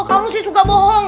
kamu sih suka bohong